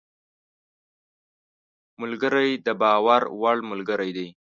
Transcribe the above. ملګری د باور وړ ملګری دی